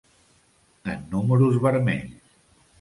En números vermells.